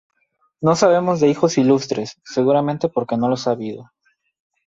No sabemos de hijos ilustres, seguramente porque no los ha habido.